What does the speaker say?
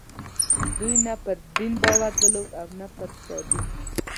دوی نه پر دین باور درلود او نه پر سادین.